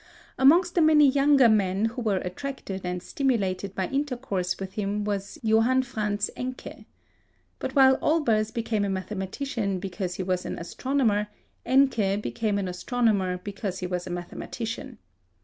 Amongst the many younger men who were attracted and stimulated by intercourse with him was Johann Franz Encke. But while Olbers became a mathematician because he was an astronomer, Encke became an astronomer because he was a mathematician.